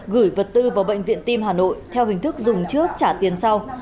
gửi vật tư vào bệnh viện tim hà nội theo hình thức dùng trước trả tiền sau